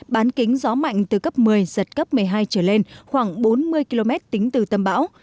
bán kính gió mạnh từ cấp một mươi giật cấp một mươi hai trở lên khoảng bốn mươi km tính từ tâm bão